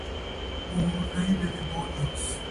Fruto pubescente, dorsalmente aplanado; crestas dorsales.